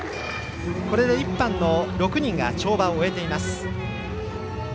これで１班の６人が跳馬を終えています。